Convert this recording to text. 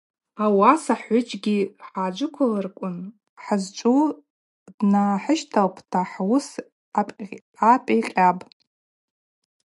Ауаса хӏгӏвыджьгьи хӏацджвыквлырквын хӏызчӏву днахӏыщталпӏта хӏуыс апикъьапӏ.